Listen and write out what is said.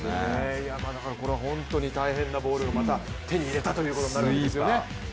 これは本当に大変なボールをまた手に入れたということになるんですよね。